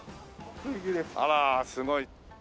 あらすごい。